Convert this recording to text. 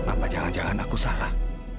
apa jangan jangan aku salah